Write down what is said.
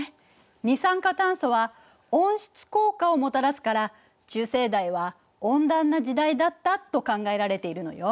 二酸化炭素は温室効果をもたらすから中生代は温暖な時代だったと考えられているのよ。